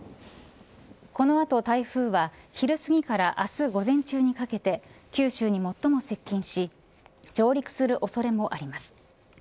この後、台風は昼すぎから明日午前中にかけて九州に最も接近し上陸する恐れもあります。